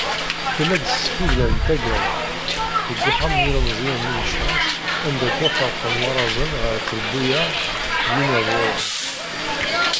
Tella-d tesfugla n taggara, deg uxxam n yilemẓiyen n Umecras, anda ttwaferqen warrazen ɣef trebbuyaɛ d yinaẓuren.